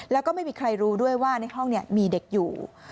แล้วก็ไม่มีใครรู้ด้วยว่าในห้องมีเด็กอยู่